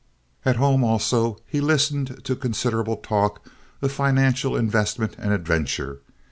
At home also he listened to considerable talk of financial investment and adventure.